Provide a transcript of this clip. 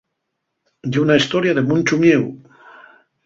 Ye una hestoria de munchu mieu.